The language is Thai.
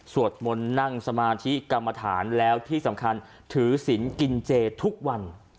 มนต์นั่งสมาธิกรรมฐานแล้วที่สำคัญถือศิลป์กินเจทุกวัน